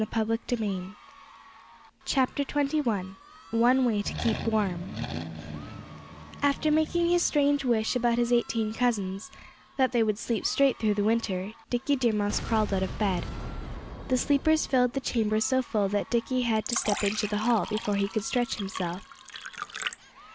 XXI ONE WAY TO KEEP WARM After making his strange wish about his eighteen cousins that they would sleep straight through the winter Dickie Deer Mouse crawled out of bed. The sleepers filled the chamber so full that Dickie had to step into the hall before he could stretch himself.